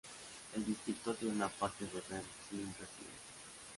El distrito tiene una parte de Bell sin residentes.